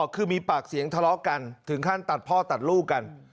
คือมีปากเสียงทะเลาะกันถึงขั้นตัดพ่อตัดลูกกัน